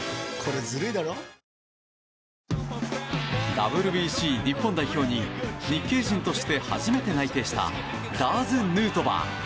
ＷＢＣ日本代表に日系人として初めて内定したラーズ・ヌートバー。